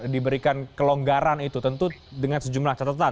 diberikan kelonggaran itu tentu dengan sejumlah catatan